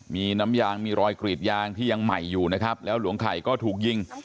มีน้ำยางมีรอยกรีดยางที่ยังใหม่อยู่นะครับแล้วหลวงไข่ก็ถูกยิง